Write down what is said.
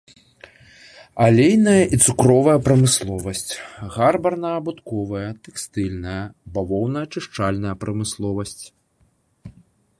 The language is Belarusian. Алейная і цукровая прамысловасць, гарбарна-абутковая, тэкстыльная, бавоўнаачышчальная прамысловасць.